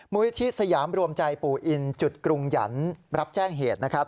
วิธีสยามรวมใจปู่อินจุดกรุงหยันรับแจ้งเหตุนะครับ